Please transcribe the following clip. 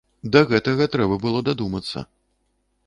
Да гэтага трэба было дадумацца.